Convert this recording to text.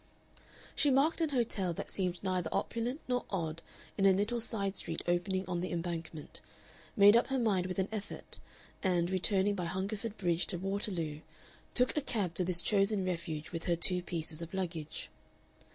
She marked an hotel that seemed neither opulent nor odd in a little side street opening on the Embankment, made up her mind with an effort, and, returning by Hungerford Bridge to Waterloo, took a cab to this chosen refuge with her two pieces of luggage.